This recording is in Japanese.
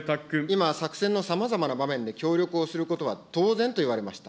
今、作戦のさまざまな場面で協力をすることは当然と言われました。